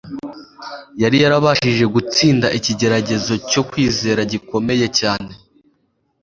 yari yarabashije gutsinda ikigeragezo cyo kwizera gikomeye cyane